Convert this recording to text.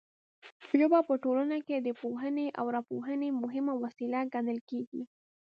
ژبه په ټولنه کې د پوهونې او راپوهونې مهمه وسیله ګڼل کیږي.